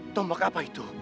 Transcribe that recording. tombak apa itu